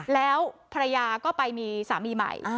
แล้วภรรยาก็ไปมีสามีใหม่